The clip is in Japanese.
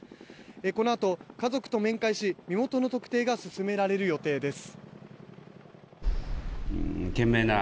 このあと、家族と面会し身元の特定が進められる予定です。